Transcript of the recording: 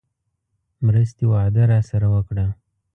مرستې وعده راسره وکړه.